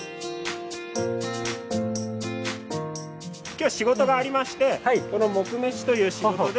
今日は仕事がありましてこのモクメシという仕事で。